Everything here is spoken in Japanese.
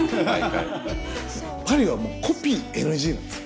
パリはもうコピーＮＧなんです。